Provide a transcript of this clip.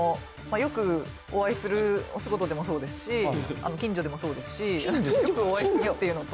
よくお会いする、お仕事でもそうですし、近所でもそうですし。というのと。